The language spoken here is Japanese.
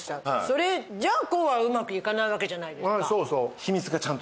それじゃあこうはうまくいかないわけじゃないですか。